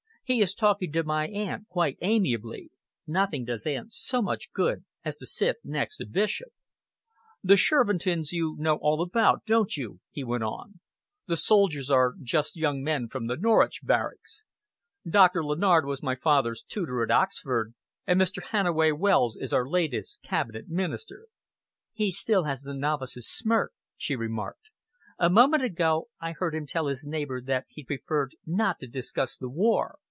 He is talking to my aunt quite amiably. Nothing does aunt so much good as to sit next a bishop." "The Shervintons you know all about, don't you?" he went on. "The soldiers are just young men from the Norwich barracks, Doctor Lennard was my father's tutor at Oxford, and Mr. Hannaway Wells is our latest Cabinet Minister." "He still has the novice's smirk," she remarked. "A moment ago I heard him tell his neighbour that he preferred not to discuss the war.